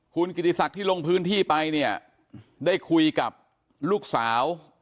คุณกิติศักดิ์ที่ลงพื้นที่ไปเนี่ยได้คุยกับลูกสาว